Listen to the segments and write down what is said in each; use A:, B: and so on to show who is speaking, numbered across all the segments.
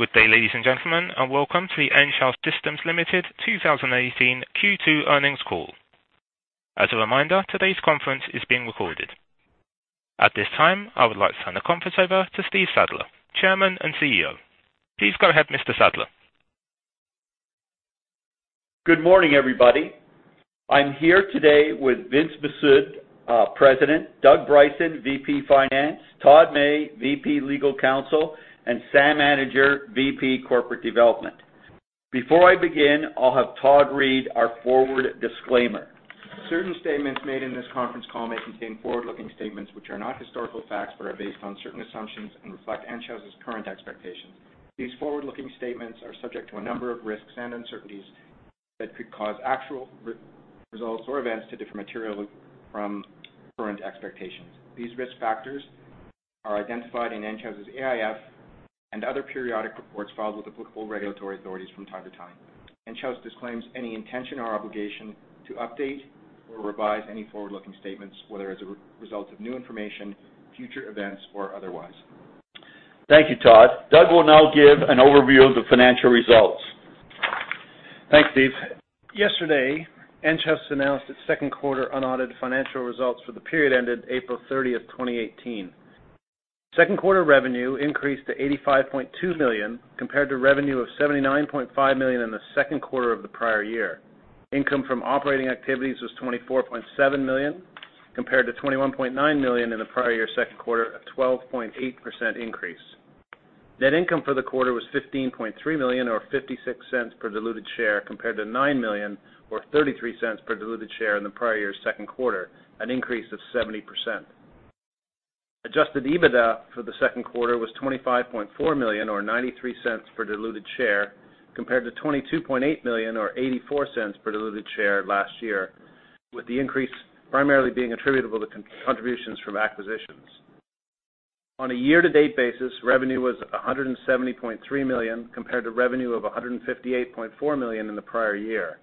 A: Good day, ladies and gentlemen, and welcome to the Enghouse Systems Limited 2018 Q2 earnings call. As a reminder, today's conference is being recorded. At this time, I would like to turn the conference over to Stephen Sadler, Chairman and CEO. Please go ahead, Mr. Sadler.
B: Good morning, everybody. I'm here today with Vince Mifsud, President, Doug Bryson, VP Finance, Todd May, VP Legal Counsel, and Sam Anidjar, VP Corporate Development. Before I begin, I'll have Todd read our forward disclaimer.
C: Certain statements made in this conference call may contain forward-looking statements, which are not historical facts but are based on certain assumptions and reflect Enghouse's current expectations. These forward-looking statements are subject to a number of risks and uncertainties that could cause actual results or events to differ materially from current expectations. These risk factors are identified in Enghouse's AIF and other periodic reports filed with applicable regulatory authorities from time to time. Enghouse disclaims any intention or obligation to update or revise any forward-looking statements, whether as a result of new information, future events, or otherwise.
B: Thank you, Todd. Doug will now give an overview of the financial results.
D: Thanks, Steve. Yesterday, Enghouse announced its second quarter unaudited financial results for the period ended April 30, 2018. Second quarter revenue increased to 85.2 million compared to revenue of 79.5 million in the second quarter of the prior year. Income from operating activities was 24.7 million compared to 21.9 million in the prior year second quarter, a 12.8% increase. Net income for the quarter was 15.3 million, or 0.56 per diluted share compared to 9 million or 0.33 per diluted share in the prior year's second quarter, an increase of 70%. Adjusted EBITDA for the second quarter was 25.4 million or 0.93 per diluted share compared to 22.8 million or 0.84 per diluted share last year, with the increase primarily being attributable to contributions from acquisitions. On a year-to-date basis, revenue was 170.3 million compared to revenue of 158.4 million in the prior year.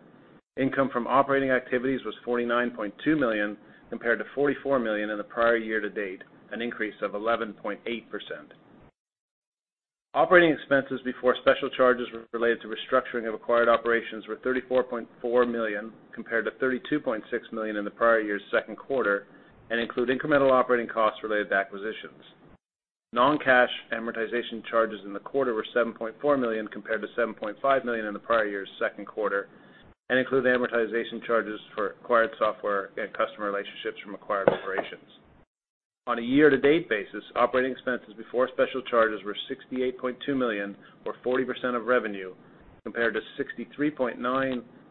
D: Income from operating activities was 49.2 million compared to 44 million in the prior year to date, an increase of 11.8%. Operating expenses before special charges related to restructuring of acquired operations were 34.4 million compared to 32.6 million in the prior year's second quarter and include incremental operating costs related to acquisitions. Non-cash amortization charges in the quarter were 7.4 million compared to 7.5 million in the prior year's second quarter and include amortization charges for acquired software and customer relationships from acquired operations. On a year-to-date basis, operating expenses before special charges were 68.2 million or 40% of revenue, compared to 63.9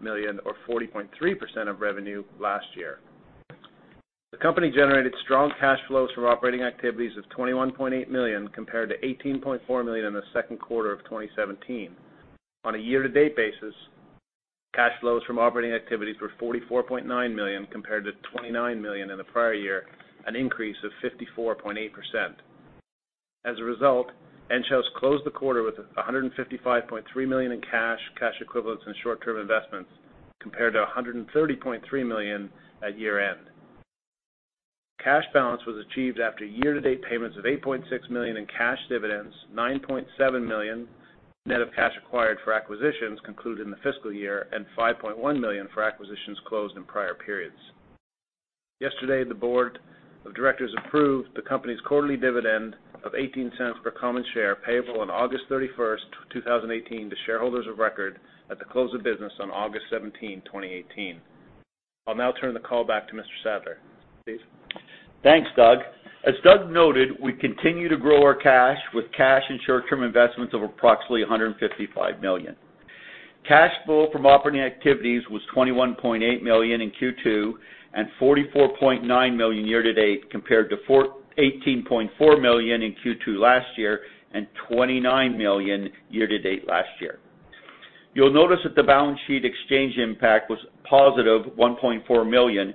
D: million or 40.3% of revenue last year. The company generated strong cash flows from operating activities of 21.8 million compared to 18.4 million in the second quarter of 2017. On a year-to-date basis, cash flows from operating activities were 44.9 million compared to 29 million in the prior year, an increase of 54.8%. As a result, Enghouse closed the quarter with 155.3 million in cash equivalents, and short-term investments compared to 130.3 million at year-end. Cash balance was achieved after year-to-date payments of 8.6 million in cash dividends, 9.7 million net of cash acquired for acquisitions concluded in the fiscal year, and 5.1 million for acquisitions closed in prior periods. Yesterday, the board of directors approved the company's quarterly dividend of 0.18 per common share payable on August 31, 2018, to shareholders of record at the close of business on August 17, 2018. I will now turn the call back to Mr. Sadler. Steve?
B: Thanks, Doug. As Doug noted, we continue to grow our cash with cash and short-term investments of approximately 155 million. Cash flow from operating activities was 21.8 million in Q2 and 44.9 million year to date compared to 18.4 million in Q2 last year and 29 million year to date last year. You will notice that the balance sheet exchange impact was positive 1.4 million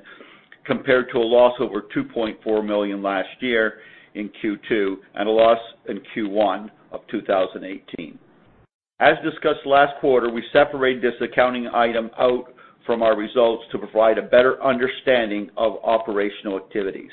B: compared to a loss over 2.4 million last year in Q2 and a loss in Q1 of 2018. As discussed last quarter, we separated this accounting item out from our results to provide a better understanding of operational activities.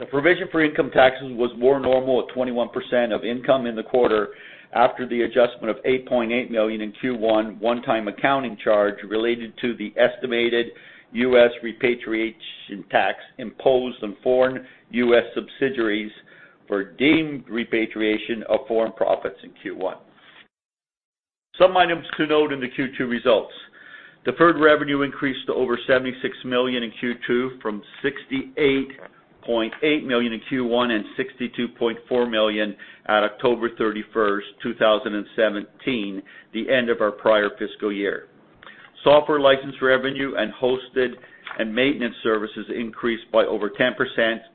B: The provision for income taxes was more normal at 21% of income in the quarter after the adjustment of 8.8 million in Q1, one-time accounting charge related to the estimated U.S. repatriation tax imposed on foreign U.S. subsidiaries for deemed repatriation of foreign profits in Q1. Some items to note in the Q2 results. Deferred revenue increased to over 76 million in Q2 from 68.8 million in Q1 and 62.4 million at October 31st, 2017, the end of our prior fiscal year. Software license revenue and hosted and maintenance services increased by over 10%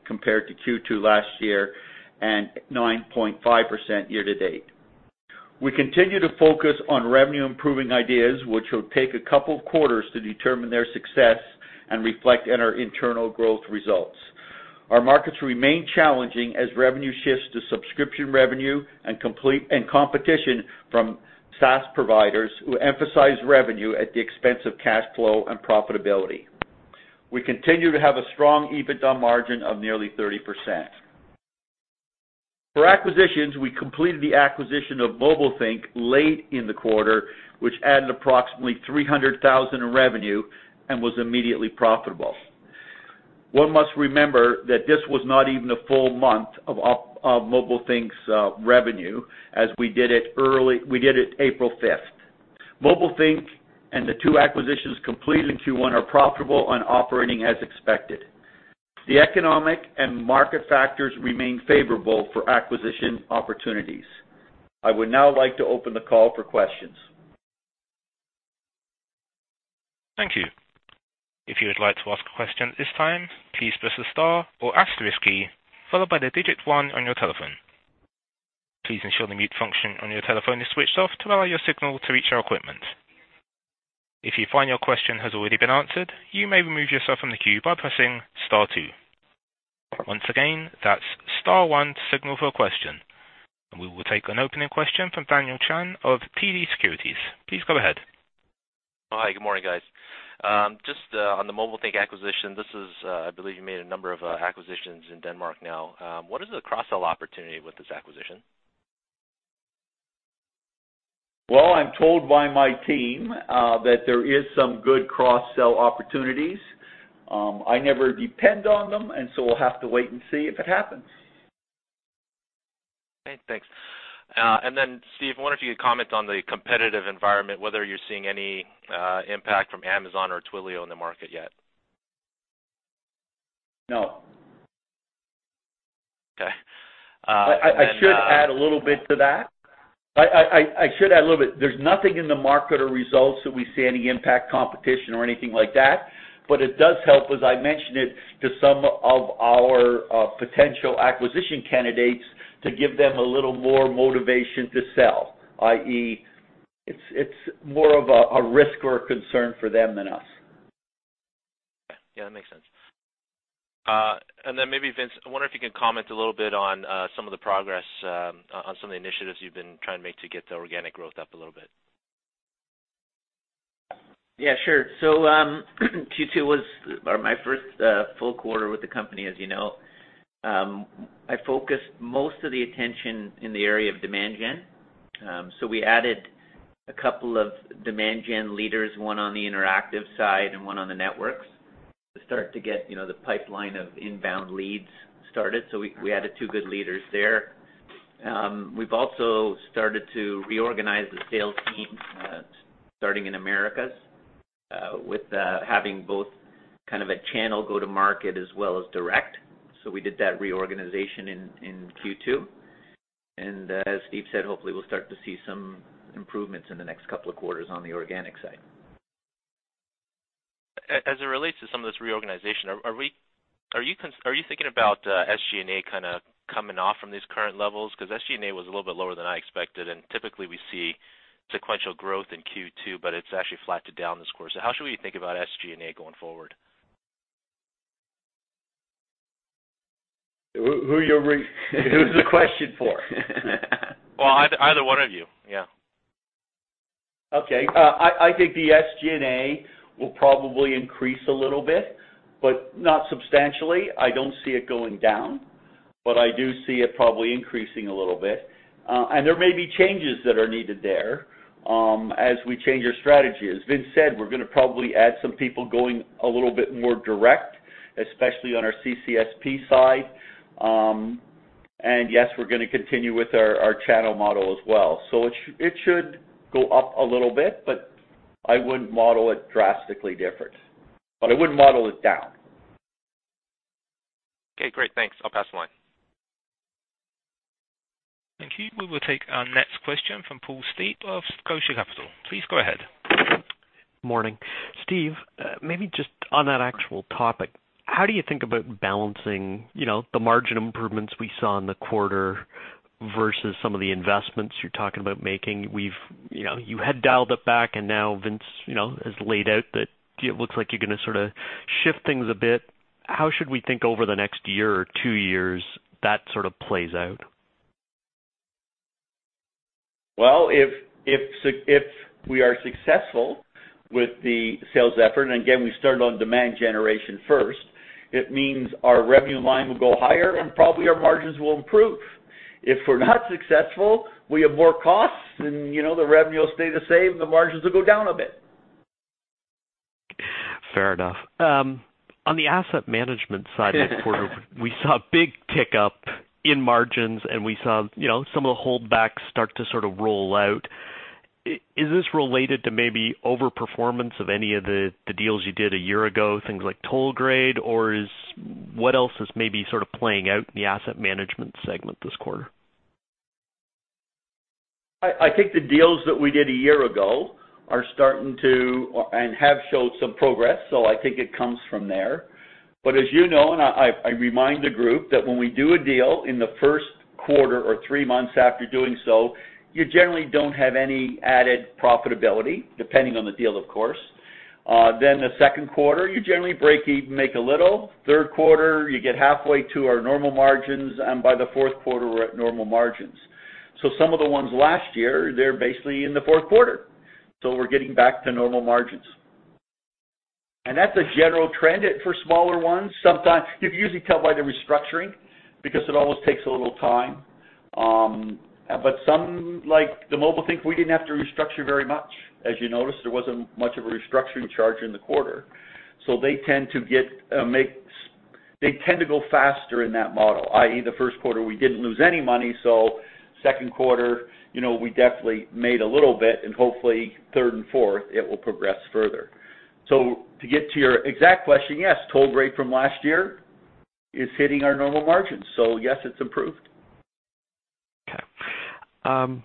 B: compared to Q2 last year and 9.5% year-to-date. We continue to focus on revenue-improving ideas, which will take a couple of quarters to determine their success and reflect in our internal growth results. Our markets remain challenging as revenue shifts to subscription revenue and competition from SaaS providers who emphasize revenue at the expense of cash flow and profitability. We continue to have a strong EBITDA margin of nearly 30%. For acquisitions, we completed the acquisition of Mobilethink late in the quarter, which added approximately 300,000 in revenue and was immediately profitable. One must remember that this was not even a full month of Mobilethink's revenue, as we did it April 5th. Mobilethink and the two acquisitions completed in Q1 are profitable on operating as expected. The economic and market factors remain favorable for acquisition opportunities. I would now like to open the call for questions.
A: Thank you. If you would like to ask a question at this time, please press the star or asterisk key, followed by the digit one on your telephone. Please ensure the mute function on your telephone is switched off to allow your signal to reach our equipment. If you find your question has already been answered, you may remove yourself from the queue by pressing star two. Once again, that's star one to signal for a question. We will take an opening question from Daniel Chan of TD Securities. Please go ahead.
E: Hi, good morning, guys. Just on the Mobilethink acquisition, I believe you made a number of acquisitions in Denmark now. What is the cross-sell opportunity with this acquisition?
B: Well, I'm told by my team that there is some good cross-sell opportunities. I never depend on them, we'll have to wait and see if it happens.
E: Okay, thanks. Steve, I wonder if you could comment on the competitive environment, whether you're seeing any impact from Amazon or Twilio in the market yet.
B: No.
E: Okay.
B: I should add a little bit to that. There's nothing in the market or results that we see any impact competition or anything like that. It does help, as I mentioned it, to some of our potential acquisition candidates to give them a little more motivation to sell, i.e., it's more of a risk or a concern for them than us.
E: Okay. Yeah, that makes sense. Maybe Vince, I wonder if you could comment a little bit on some of the progress on some of the initiatives you've been trying to make to get the organic growth up a little bit.
F: Yeah, sure. Q2 was my first full quarter with the company, as you know. I focused most of the attention in the area of demand gen. We added a couple of demand gen leaders, one on the interactive side and one on the networks to start to get the pipeline of inbound leads started. We added two good leaders there. We've also started to reorganize the sales team, starting in Americas, with having both a channel go to market as well as direct. We did that reorganization in Q2. As Steve said, hopefully we'll start to see some improvements in the next couple of quarters on the organic side.
E: As it relates to some of this reorganization, are you thinking about SG&A kind of coming off from these current levels? Because SG&A was a little bit lower than I expected, and typically we see sequential growth in Q2, but it's actually flat to down this quarter. How should we think about SG&A going forward?
B: Who is the question for?
E: Well, either one of you, yeah.
B: Okay. I think the SG&A will probably increase a little bit, but not substantially. I don't see it going down, but I do see it probably increasing a little bit. There may be changes that are needed there as we change our strategy. As Vince said, we're going to probably add some people going a little bit more direct, especially on our CCSP side. Yes, we're going to continue with our channel model as well. It should go up a little bit, but I wouldn't model it drastically different. I wouldn't model it down.
E: Okay, great. Thanks. I'll pass the line.
A: Thank you. We will take our next question from Paul Steep of Scotia Capital. Please go ahead.
G: Morning. Steve, maybe just on that actual topic, how do you think about balancing the margin improvements we saw in the quarter versus some of the investments you're talking about making? You had dialed it back and now Vince has laid out that it looks like you're going to sort of shift things a bit. How should we think over the next year or two years, that sort of plays out?
B: Well, if we are successful with the sales effort, and again, we started on demand generation first, it means our revenue line will go higher and probably our margins will improve. If we're not successful, we have more costs and the revenue will stay the same, the margins will go down a bit.
G: Fair enough. On the asset management side. This quarter, we saw a big tick up in margins and we saw some of the holdbacks start to sort of roll out. Is this related to maybe over-performance of any of the deals you did a year ago, things like Tollgrade? Or what else is maybe sort of playing out in the asset management segment this quarter?
B: I think the deals that we did a year ago are starting to and have showed some progress, so I think it comes from there. As you know, and I remind the group, that when we do a deal in the first quarter or three months after doing so, you generally don't have any added profitability, depending on the deal, of course. The second quarter, you generally break even, make a little. Third quarter, you get halfway to our normal margins, and by the fourth quarter, we're at normal margins. Some of the ones last year, they're basically in the fourth quarter. We're getting back to normal margins. That's a general trend for smaller ones. You can usually tell by the restructuring, because it always takes a little time. Some, like the Mobilethink, we didn't have to restructure very much. As you noticed, there wasn't much of a restructuring charge in the quarter. They tend to go faster in that model, i.e., the first quarter, we didn't lose any money. Second quarter, we definitely made a little bit, and hopefully third and fourth, it will progress further. To get to your exact question, yes, Tollgrade from last year is hitting our normal margins. Yes, it's improved.
G: Okay.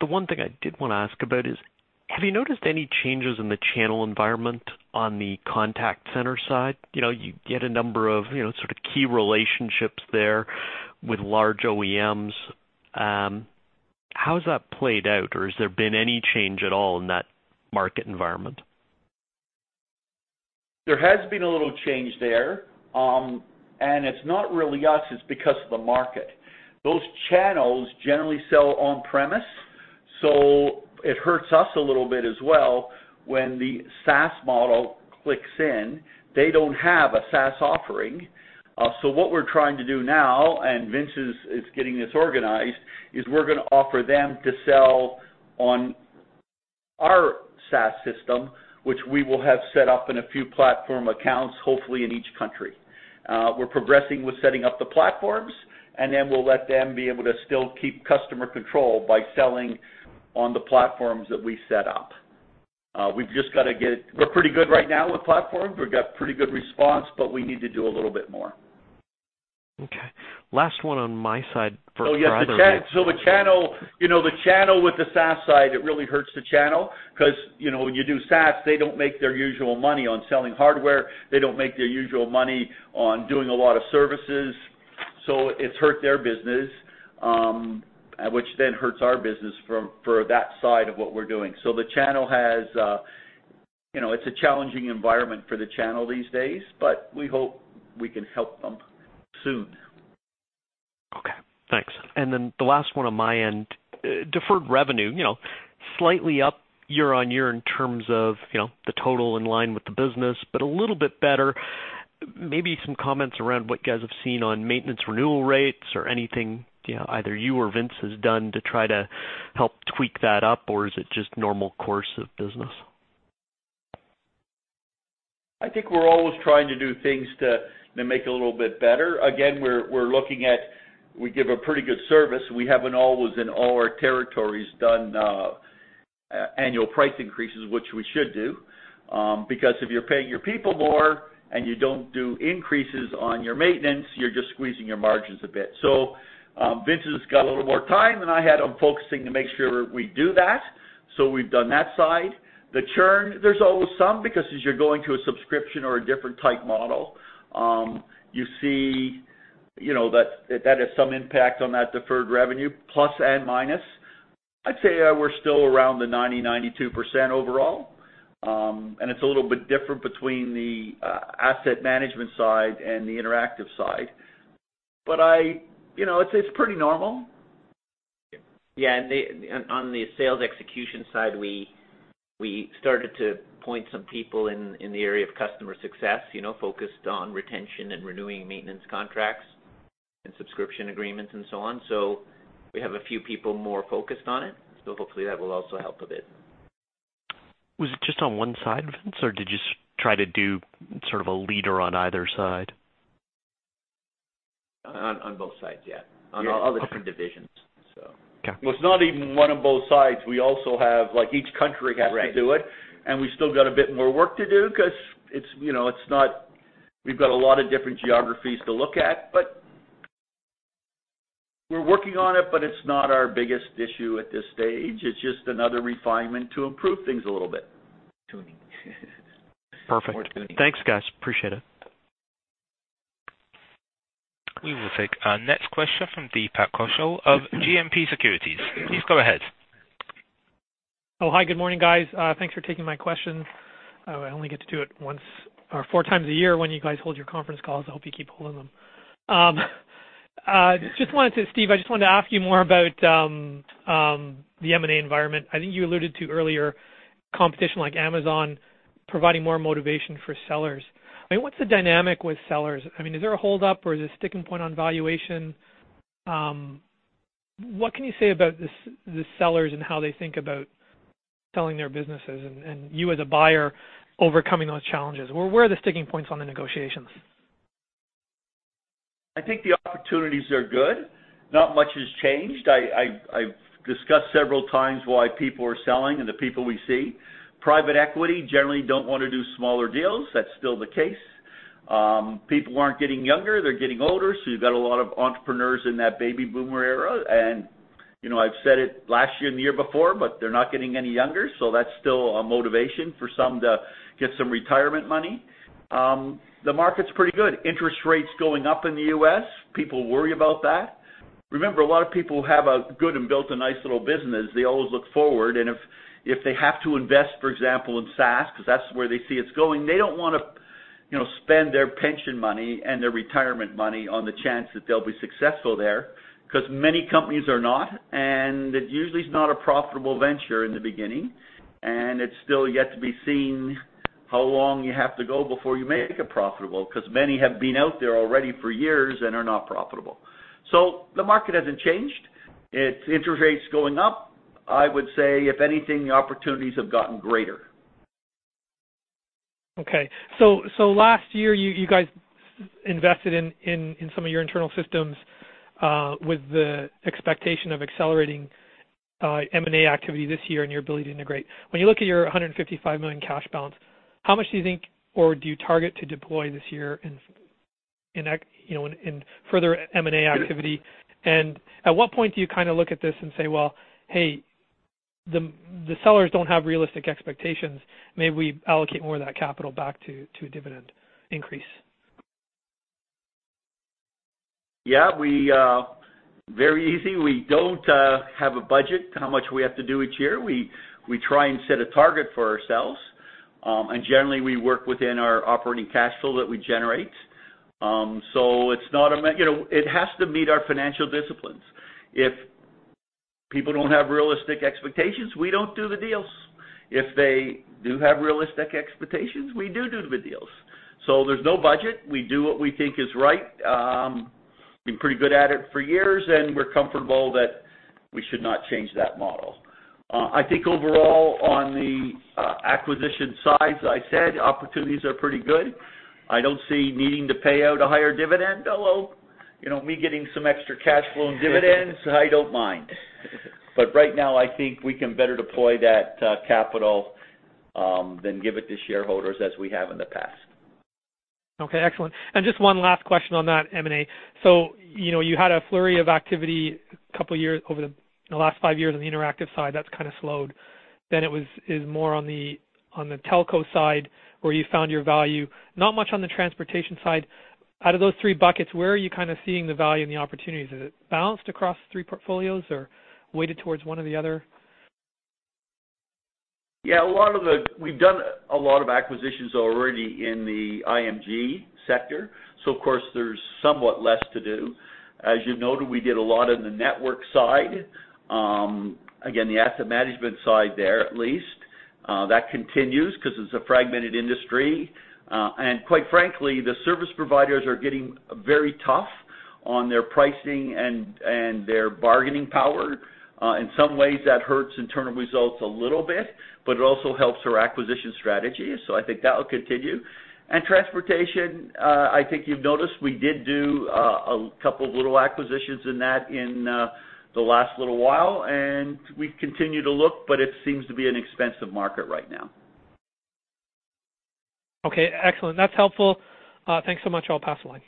G: The one thing I did want to ask about is, have you noticed any changes in the channel environment on the contact center side? You get a number of sort of key relationships there with large OEMs. How has that played out, or has there been any change at all in that market environment?
B: There has been a little change there. It's not really us, it's because of the market. Those channels generally sell on-premise. It hurts us a little bit as well when the SaaS model clicks in. They don't have a SaaS offering. What we're trying to do now, and Vince is getting this organized, is we're going to offer them to sell on our SaaS system, which we will have set up in a few platform accounts, hopefully in each country. We're progressing with setting up the platforms. We'll let them be able to still keep customer control by selling on the platforms that we set up. We're pretty good right now with platforms. We've got pretty good response, we need to do a little bit more.
G: Okay. Last one on my side for.
B: Oh, yes. The channel with the SaaS side, it really hurts the channel because when you do SaaS, they don't make their usual money on selling hardware. They don't make their usual money on doing a lot of services. It's hurt their business, which then hurts our business for that side of what we're doing. It's a challenging environment for the channel these days, but we hope we can help them soon.
G: Okay, thanks. The last one on my end, deferred revenue, slightly up year-on-year in terms of the total in line with the business, but a little bit better. Maybe some comments around what you guys have seen on maintenance renewal rates or anything, either you or Vince has done to try to help tweak that up, or is it just normal course of business?
B: I think we're always trying to do things to make it a little bit better. Again, we give a pretty good service. We haven't always in all our territories done annual price increases, which we should do. Because if you're paying your people more and you don't do increases on your maintenance, you're just squeezing your margins a bit. Vince has got a little more time than I had on focusing to make sure we do that. We've done that side. The churn, there's always some, because as you're going to a subscription or a different type model, you see that has some impact on that deferred revenue, plus and minus. I'd say we're still around the 90%, 92% overall. It's a little bit different between the asset management side and the Interactive side. It's pretty normal.
F: Yeah. On the sales execution side, we started to point some people in the area of customer success, focused on retention and renewing maintenance contracts and subscription agreements and so on. We have a few people more focused on it, so hopefully that will also help a bit.
G: Was it just on one side, Vince, or did you try to do sort of a leader on either side?
F: On both sides, yeah. On all the different divisions.
G: Okay.
B: It's not even one on both sides. We also have, like each country has to do it.
F: Right.
B: We've still got a bit more work to do because we've got a lot of different geographies to look at, but we're working on it, but it's not our biggest issue at this stage. It's just another refinement to improve things a little bit.
F: Tuning.
G: Perfect. Thanks, guys. Appreciate it.
A: We will take our next question from Deepak Kaushal of GMP Securities. Please go ahead.
H: Hi. Good morning, guys. Thanks for taking my questions. I only get to do it once or four times a year when you guys hold your conference calls. I hope you keep holding them. Steve, I just wanted to ask you more about the M&A environment. I think you alluded to earlier competition like Amazon providing more motivation for sellers. What's the dynamic with sellers? Is there a hold-up, or is there a sticking point on valuation? What can you say about the sellers and how they think about selling their businesses, and you as a buyer overcoming those challenges? Where are the sticking points on the negotiations?
B: I think the opportunities are good. Not much has changed. I've discussed several times why people are selling and the people we see. Private equity generally don't want to do smaller deals. That's still the case. People aren't getting younger. They're getting older. You've got a lot of entrepreneurs in that baby boomer era. I've said it last year and the year before, they're not getting any younger, that's still a motivation for some to get some retirement money. The market's pretty good. Interest rates going up in the U.S. People worry about that. Remember, a lot of people have a good and built a nice little business. They always look forward, if they have to invest, for example, in SaaS, because that's where they see it's going, they don't want to spend their pension money and their retirement money on the chance that they'll be successful there, because many companies are not, and it usually is not a profitable venture in the beginning. It's still yet to be seen how long you have to go before you make it profitable, because many have been out there already for years and are not profitable. The market hasn't changed. Its interest rate's going up. I would say, if anything, the opportunities have gotten greater.
H: Okay. Last year you guys invested in some of your internal systems with the expectation of accelerating M&A activity this year and your ability to integrate. When you look at your 155 million cash balance, how much do you think, or do you target to deploy this year in further M&A activity? At what point do you look at this and say, "Well, hey, the sellers don't have realistic expectations. Maybe we allocate more of that capital back to a dividend increase.
B: Yeah. Very easy. We don't have a budget on how much we have to do each year. We try and set a target for ourselves. Generally, we work within our operating cash flow that we generate. It has to meet our financial disciplines. If people don't have realistic expectations, we don't do the deals. If they do have realistic expectations, we do the deals. There's no budget. We do what we think is right. Been pretty good at it for years, and we're comfortable that we should not change that model. I think overall on the acquisition side, as I said, opportunities are pretty good. I don't see needing to pay out a higher dividend, although, me getting some extra cash flow and dividends, I don't mind. Right now I think we can better deploy that capital than give it to shareholders as we have in the past.
H: Okay, excellent. Just one last question on that M&A. You had a flurry of activity over the last five years on the interactive side that's kind of slowed. It was more on the telco side where you found your value, not much on the transportation side. Out of those three buckets, where are you seeing the value and the opportunities? Is it balanced across three portfolios or weighted towards one or the other?
B: Yeah. We've done a lot of acquisitions already in the IMG sector, of course there's somewhat less to do. As you noted, we did a lot on the network side. Again, the asset management side there at least. That continues because it's a fragmented industry. Quite frankly, the service providers are getting very tough on their pricing and their bargaining power. In some ways, that hurts internal results a little bit, but it also helps our acquisition strategy, so I think that will continue. Transportation, I think you've noticed we did do a couple of little acquisitions in that in the last little while, and we continue to look, but it seems to be an expensive market right now.
H: Okay, excellent. That's helpful. Thanks so much. I'll pass the line.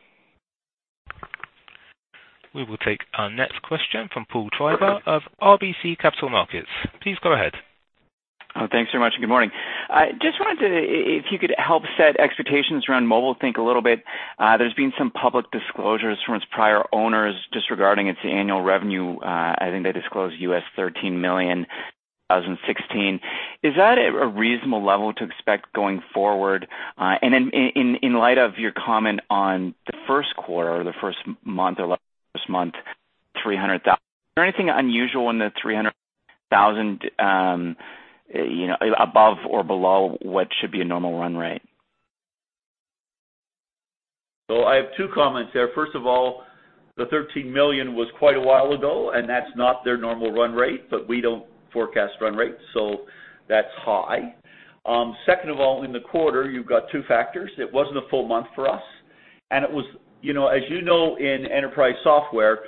A: We will take our next question from Paul Treiber of RBC Capital Markets. Please go ahead.
I: Thanks very much, and good morning. Just wondered if you could help set expectations around Mobilethink a little bit. There's been some public disclosures from its prior owners just regarding its annual revenue. I think they disclosed US$13 million, 2016. Is that a reasonable level to expect going forward? In light of your comment on the first quarter or the first month or last month, $300,000. Is there anything unusual in the $300,000 above or below what should be a normal run rate?
B: I have two comments there. First of all, the $13 million was quite a while ago, and that's not their normal run rate, but we don't forecast run rate, so that's high. Second of all, in the quarter, you've got two factors. It wasn't a full month for us, and as you know in enterprise software,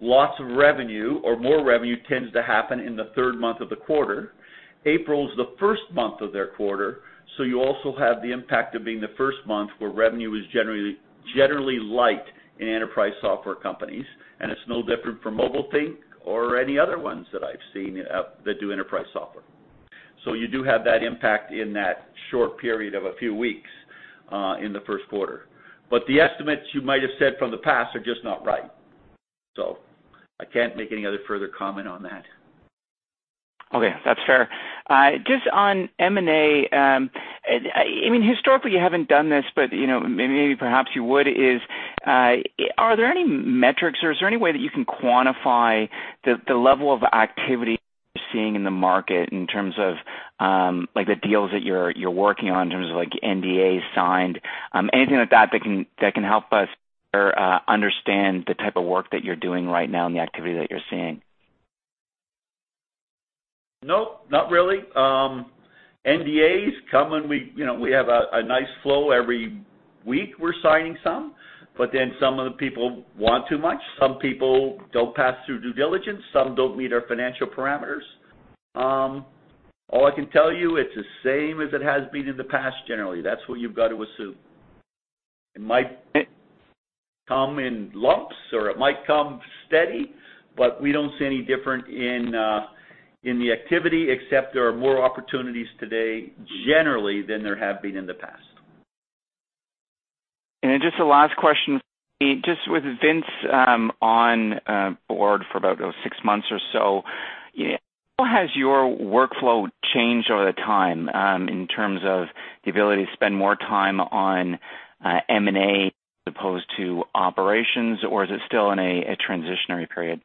B: lots of revenue or more revenue tends to happen in the third month of the quarter. April is the first month of their quarter. You also have the impact of being the first month where revenue is generally light in enterprise software companies, and it's no different for Mobilethink or any other ones that I've seen that do enterprise software. You do have that impact in that short period of a few weeks, in the first quarter. The estimates you might have said from the past are just not right. I can't make any other further comment on that.
I: Okay. That's fair. Just on M&A. Historically you haven't done this. Maybe perhaps you would. Are there any metrics or is there any way that you can quantify the level of activity you're seeing in the market in terms of the deals that you're working on in terms of NDAs signed? Anything like that can help us better understand the type of work that you're doing right now and the activity that you're seeing?
B: No, not really. NDAs come. We have a nice flow. Every week we're signing some. Some of the people want too much. Some people don't pass through due diligence, some don't meet our financial parameters. All I can tell you, it's the same as it has been in the past, generally. That's what you've got to assume. It might come in lumps or it might come steady. We don't see any different in the activity except there are more opportunities today generally than there have been in the past.
I: Just the last question, Steve, just with Vince on board for about six months or so, how has your workflow changed over the time in terms of the ability to spend more time on M&A as opposed to operations? Or is it still in a transitionary period?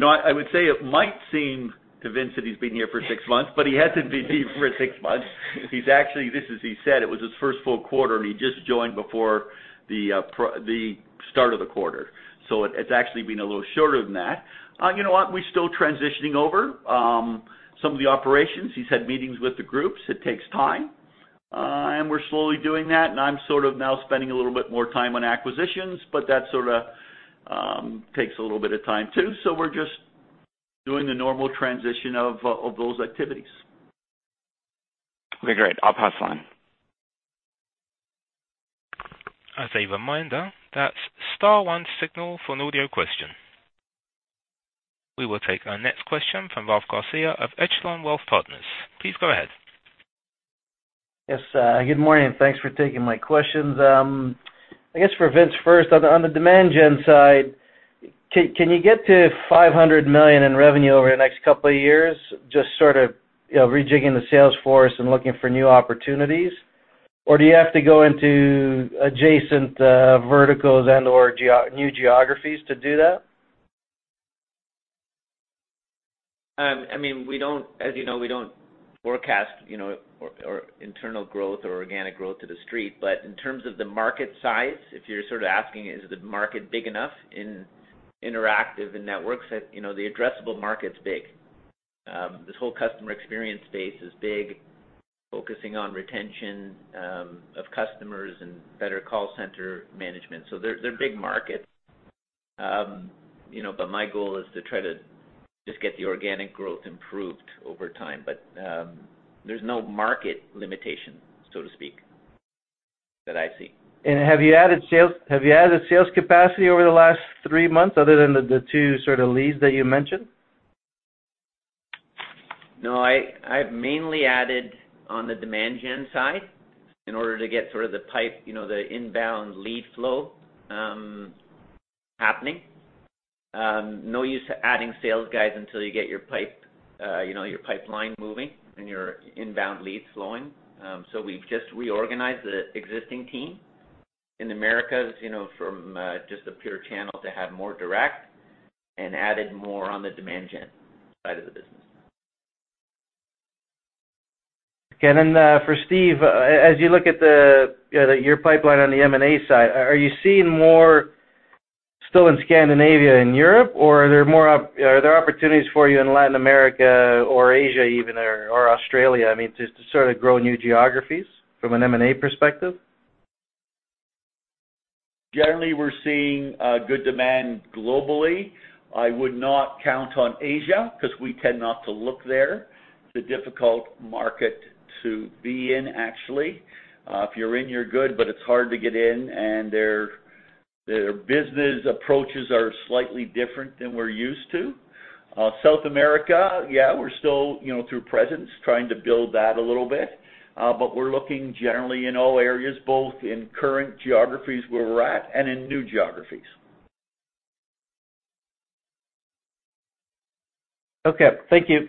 B: I would say it might seem to Vince that he's been here for six months. He hasn't been here for six months. He said it was his first full quarter. He just joined before the start of the quarter. It's actually been a little shorter than that. You know what? We're still transitioning over some of the operations. He's had meetings with the groups. It takes time. We're slowly doing that, and I'm sort of now spending a little bit more time on acquisitions, but that sort of takes a little bit of time, too. We're just doing the normal transition of those activities.
I: Okay, great. I'll pass on.
A: As a reminder, that's star one to signal for an audio question. We will take our next question from Ralph Garcia of Echelon Wealth Partners. Please go ahead.
J: Yes. Good morning. Thanks for taking my questions. I guess for Vince first, on the demand gen side, can you get to 500 million in revenue over the next couple of years, just sort of rejigging the sales force and looking for new opportunities? Or do you have to go into adjacent verticals and/or new geographies to do that?
F: As you know, we don't forecast internal growth or organic growth to The Street. In terms of the market size, if you're sort of asking, is the market big enough in interactive and networks? The addressable market's big. This whole customer experience space is big, focusing on retention of customers and better call center management. They're big markets. My goal is to try to just get the organic growth improved over time. There's no market limitation, so to speak, that I see.
J: Have you added sales capacity over the last three months other than the two sort of leads that you mentioned?
F: No, I've mainly added on the demand gen side in order to get sort of the pipe, the inbound lead flow happening. No use adding sales guys until you get your pipeline moving and your inbound leads flowing. We've just reorganized the existing team in Americas from just a pure channel to have more direct and added more on the demand gen side of the business.
J: Okay, for Steve, as you look at your pipeline on the M&A side, are you seeing more still in Scandinavia and Europe, or are there opportunities for you in Latin America or Asia even, or Australia, I mean, to sort of grow new geographies from an M&A perspective?
B: Generally, we're seeing good demand globally. I would not count on Asia because we tend not to look there. It's a difficult market to be in, actually. If you're in, you're good, but it's hard to get in, and their business approaches are slightly different than we're used to. South America, yeah, we're still through presence, trying to build that a little bit. We're looking generally in all areas, both in current geographies where we're at and in new geographies.
J: Okay. Thank you.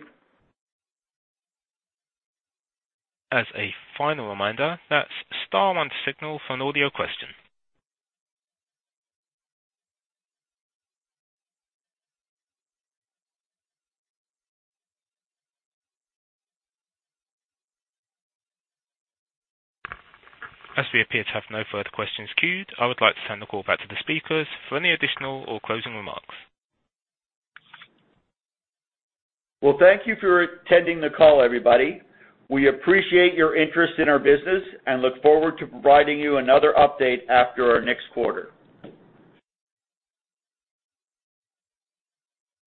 A: As a final reminder, that's star one to signal for an audio question. As we appear to have no further questions queued, I would like to turn the call back to the speakers for any additional or closing remarks.
B: Well, thank you for attending the call, everybody. We appreciate your interest in our business and look forward to providing you another update after our next quarter.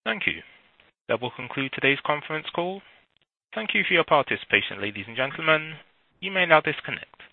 A: Thank you. That will conclude today's conference call. Thank you for your participation, ladies and gentlemen. You may now disconnect.